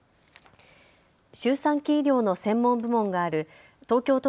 周産期医療の専門部門がある東京